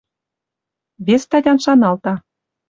Вес статян шаналта